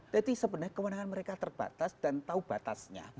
jadi sebenarnya kewenangan mereka terbatas dan tahu batasnya